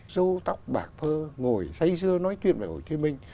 sâu tóc bạc thơ ngồi say dưa nói chuyện về hồ chí minh